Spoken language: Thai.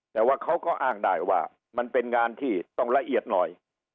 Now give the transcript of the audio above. แต่ว่าเขาก็อ้างได้ว่ามันเป็นงานที่ต้องละเอียดหน่อย